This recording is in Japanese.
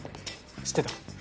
知ってた？